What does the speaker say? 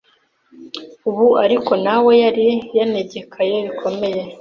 ubu ariko na we yari yanegekaye bikomeye,